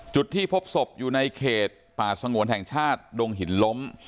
จุดที่พบศพอยู่ในเขตป่าสงวนแห่งชาติดงหินล้ม